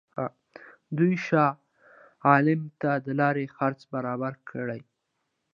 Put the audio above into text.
دوی شاه عالم ته د لارې خرڅ برابر کړي.